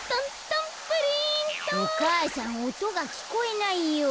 お母さんおとがきこえないよ。